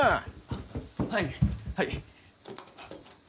あっはいはい。